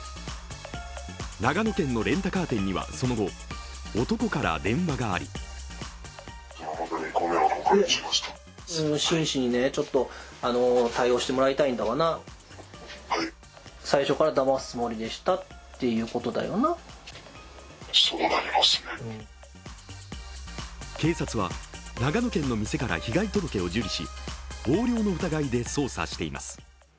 長野県のレンタカー店にはその後男から電話があり警察は長野県の店から被害届を受理し、横領の疑いで捜査しています。